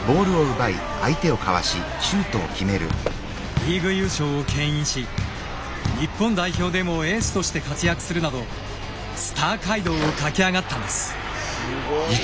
リーグ優勝を牽引し日本代表でもエースとして活躍するなどスター街道を駆け上がったんです。